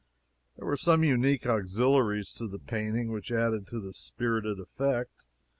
There were some unique auxiliaries to the painting which added to its spirited effect.